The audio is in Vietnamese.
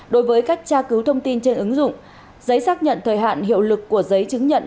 đối với cách tra cứu thông tin trên ứng dụng giấy xác nhận thời hạn hiệu lực của giấy chứng nhận